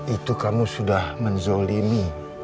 itu kamu sudah menzolimi